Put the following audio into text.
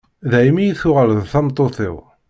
daymi i tuɣal d tameṭṭut-iw.